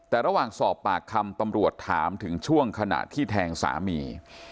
แต่ระหว่างสอบปากคำตำรวจถามถึงช่วงขณะที่แทงสามี